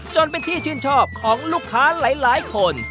จนเป็นที่ชื่นชอบของลูกค้าหลายคน